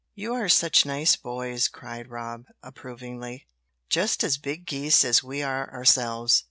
"You are such nice boys," cried Rob, approvingly. "Just as big geese as we are ourselves."